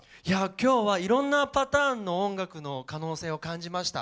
今日はいろんなパターンの音楽の可能性を感じました。